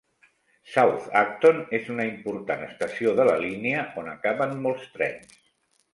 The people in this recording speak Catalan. South Acton és una important estació de la línia on acaben molts trens.